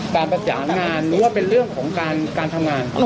การประสานงานหรือว่าเป็นเรื่องของการทำงาน